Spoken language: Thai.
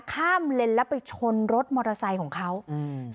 ข้ามเลนแล้วไปชนรถมอเตอร์ไซค์ของเขาอืม